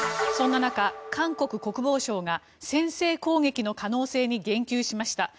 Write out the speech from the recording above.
そんな中、韓国国防省が先制攻撃の可能性に言及しました。